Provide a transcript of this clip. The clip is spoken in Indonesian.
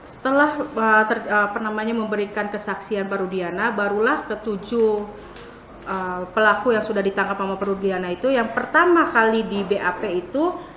setelah memberikan kesaksian pak rudiana barulah ketujuh pelaku yang sudah ditangkap sama perlu diana itu yang pertama kali di bap itu